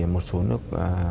một số nước